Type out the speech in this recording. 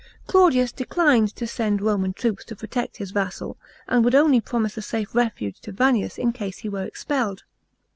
Claudius declined to send Roman troops to protect his vassal, and would only promise a safe refuge to Vannius in case he were expelled.